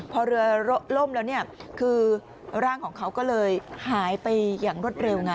พอเรือล่มแล้วเนี่ยคือร่างของเขาก็เลยหายไปอย่างรวดเร็วไง